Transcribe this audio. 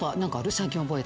最近覚えた。